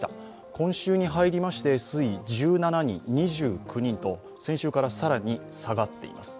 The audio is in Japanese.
今週に入りまして１７人、２９人と先週から更に下がっています。